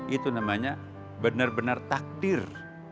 itu namanya benar benar takdir